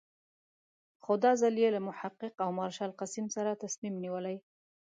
خو دا ځل یې له محقق او مارشال قسیم سره تصمیم نیولی.